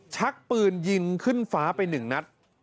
ชักปืนยิงขึ้นฟ้าไปหนึ่งนัด